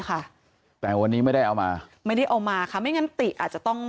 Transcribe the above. ค่ะแต่วันนี้ไม่ได้เอามาไม่ได้เอามาค่ะไม่งั้นติอาจจะต้อง